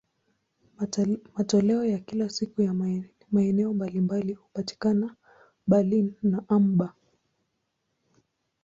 Matoleo ya kila siku ya maeneo mbalimbali hupatikana Berlin na Hamburg.